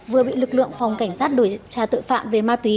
vừa bị lực lượng phòng cảnh sát đổi trả tội phạm về ma túy